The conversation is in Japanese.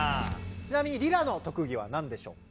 ちなみにリラの特技は何でしょうか？